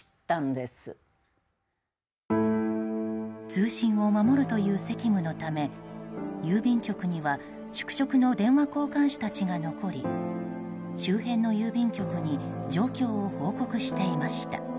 通信を守るという責務のため郵便局には宿直の電話交換手たちが残り周辺の郵便局に状況を報告していました。